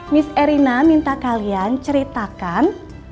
miss erina minta kalian ceritakan